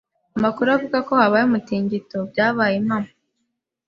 Amakuru avuga ko habaye umutingito byabaye impamo.